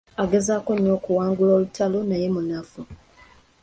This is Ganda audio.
Agezaako nnyo okuwangula olutalo, naye munafu.